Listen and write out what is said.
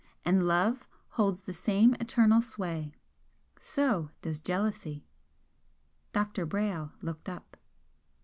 And love holds the same eternal sway so does jealousy." Dr. Brayle looked up.